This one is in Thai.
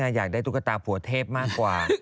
อยากได้ตุ๊กตาผัวเทพมากกว่า